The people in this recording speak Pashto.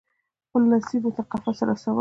خپل نصیب وو تر قفسه رسولی